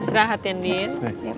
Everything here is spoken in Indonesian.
istirahat ya din